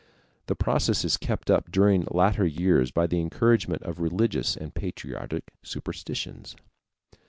The process is kept up during later years by the encouragement of religious and patriotic superstitions.